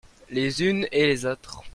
Les unes et les autres.